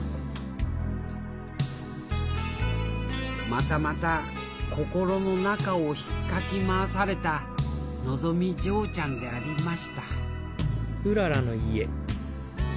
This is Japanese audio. またまた心の中をひっかき回されたのぞみ嬢ちゃんでありましたただいま。